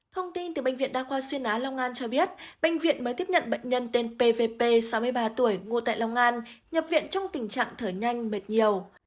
thông tin từ bệnh viện đa khoa xuyên á long an cho biết bệnh viện mới tiếp nhận bệnh nhân tên pvp sáu mươi ba tuổi ngụ tại long an nhập viện trong tình trạng thở nhanh mệt nhiều